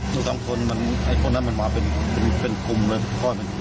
จุดเกิดเหตุอยู่ในพื้นที่ท่องเที่ยว